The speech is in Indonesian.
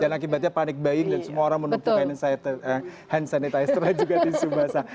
dan akibatnya panik baik dan semua orang menumpuk hand sanitizer juga di sumatera